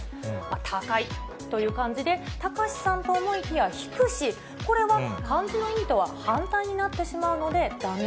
高という漢字でタカシさんと思いきや、ヒクシ、これは漢字の意味とは反対になってしまうのでだめ。